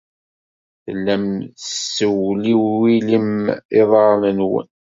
Tellam tessewliwilem iḍarren-nwen.